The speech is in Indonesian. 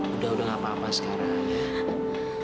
udah udah gak apa apa sekarang